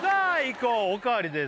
こうおかわりです